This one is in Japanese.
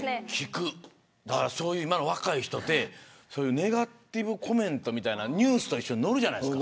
今の若い人ってネガティブコメントみたいなのニュースと一緒に載るじゃないですか。